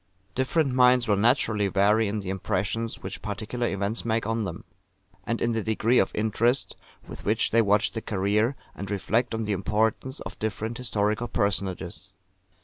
Different minds will naturally vary in the impressions which particular events make on them; and in the degree of interest with which they watch the career, and reflect on the importance, of different historical personages.